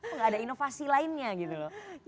tidak ada inovasi lainnya gitu loh